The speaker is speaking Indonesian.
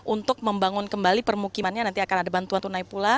untuk membangun kembali permukimannya nanti akan ada bantuan tunai pula